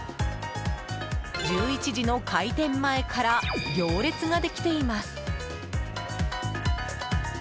１１時の開店前から行列ができています。